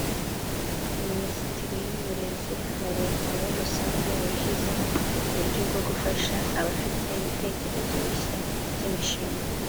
Minisiteri y’uburezi na Leta muri rusange yashyizeho uburyo bwo gufasha abafite ibitekerezo bishya by’imishinga